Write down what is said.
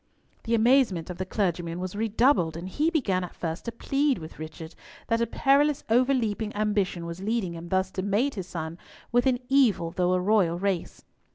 The amazement of the clergyman was redoubled, and he began at first to plead with Richard that a perilous overleaping ambition was leading him thus to mate his son with an evil, though a royal, race.